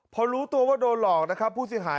พอรู้ตัวว่าโดนหลอกพูดศิษยาย